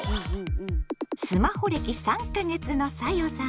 スマホ歴３か月のさよさ